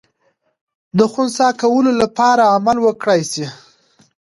د خنثی کولو لپاره عمل وکړای سي.